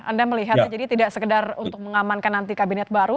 anda melihatnya jadi tidak sekedar untuk mengamankan nanti kabinet baru